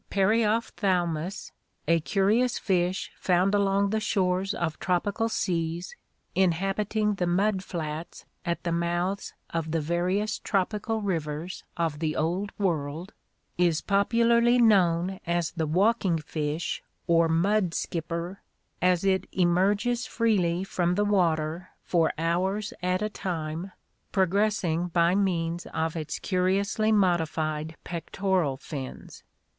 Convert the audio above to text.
Periopkthalrnus, a curious fish found along the shores of tropical seas, inhabiting the mud flats at the mouths of the various tropical rivers of the Old World, is popularly known as the walking fish or mud skipper, as it emerges freely from the water for hours at a time, progressing by means of its curiously modified pectoral fins.